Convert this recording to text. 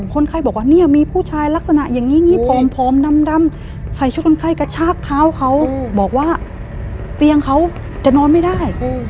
คนไข้บอกว่าเนี่ยมีผู้ชายลักษณะอย่างนี้อย่างนี้ผอมดำใส่ชุดคนไข้กระชากเท้าเขาบอกว่าเตียงเขาจะนอนไม่ได้